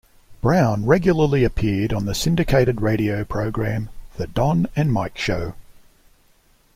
Brown regularly appeared on the syndicated radio program, "The Don and Mike Show".